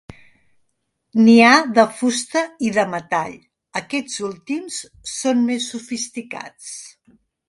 N'hi ha de fusta i de metall, aquests últims són més sofisticats.